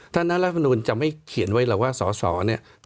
ดังนั้นรัฐบุญจะไม่เขียนไว้เลยว่าสอสอเนี่ย